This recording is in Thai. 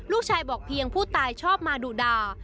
ลูกชายบอกเพียงผู้ตายชอบมาดุด่า